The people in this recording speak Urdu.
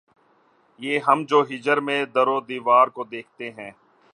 یہ ہم جو ہجر میں‘ دیوار و در کو دیکھتے ہیں